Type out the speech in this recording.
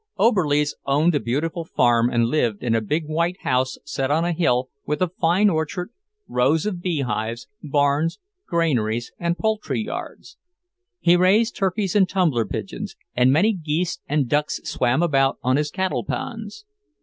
Oberlies owned a beautiful farm and lived in a big white house set on a hill, with a fine orchard, rows of beehives, barns, granaries, and poultry yards. He raised turkeys and tumbler pigeons, and many geese and ducks swam about on his cattleponds.